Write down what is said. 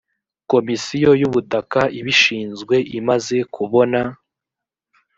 komisiyo y’ubutaka ibishinzwe imaze kubona